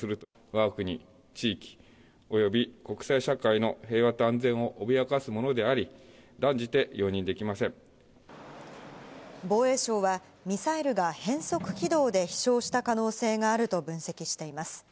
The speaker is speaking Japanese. わが国地域および国際社会の平和と安全を脅かすものであり、防衛省は、ミサイルが変則軌道で飛しょうした可能性があると分析しています。